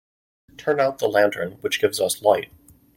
Turn out the lantern which gives us light.